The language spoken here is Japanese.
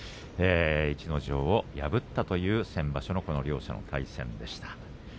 逸ノ城を破ったという先場所の、この両者の対戦でした。